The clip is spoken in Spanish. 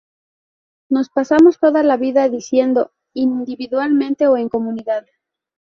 Nos pasamos toda la vida decidiendo, individualmente o en comunidad.